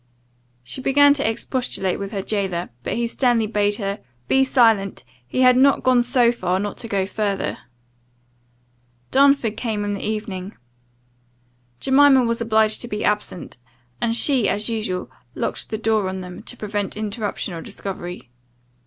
She began to expostulate with her jailor; but he sternly bade her "Be silent he had not gone so far, not to go further." Darnford came in the evening. Jemima was obliged to be absent, and she, as usual, locked the door on them, to prevent interruption or discovery.